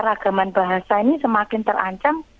ragaman bahasa ini semakin terancam